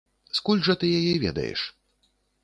Скуль жа ты яе ведаеш?